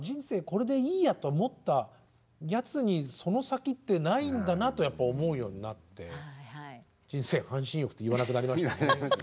これでいいやと思ったやつにその先ってないんだなとやっぱ思うようになって「人生半身浴」って言わなくなりましたね。